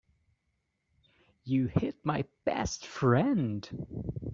You hit my best friend.